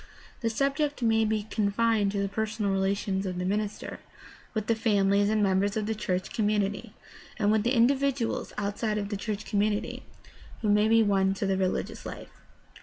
The subject may be confined to the personal relations of the minister with the families and members of the church com munity, and with the individuals outside of the church com munity who may be won to the religious life.